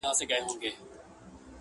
خو وجدان يې ورسره دی تل,